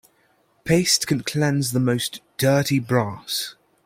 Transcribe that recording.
Paste can cleanse the most dirty brass.